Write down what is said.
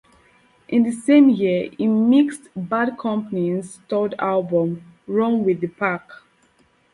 In the same year he mixed Bad Company's third album, "Run with the Pack".